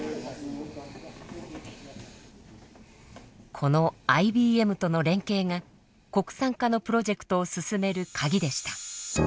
このＩＢＭとの連携が国産化のプロジェクトを進めるカギでした。